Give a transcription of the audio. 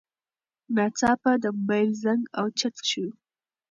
ناڅاپه د موبایل زنګ اوچت شو.